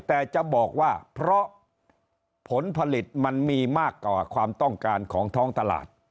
แต่จะบอกว่าเพราะผลผลิตมันมีมากกว่าความต้องการของท้องตลาด